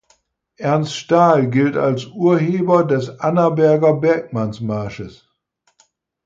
Ernst Stahl gilt als Urheber des "Annaberger Bergmannsmarsches".